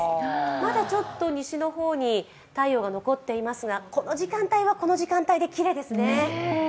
まだちょっと西の方に太陽が残っていますが、この時間帯はこの時間帯できれいですね。